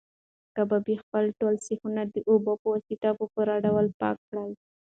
کبابي خپل ټول سیخان د اوبو په واسطه په پوره ډول پاک کړل.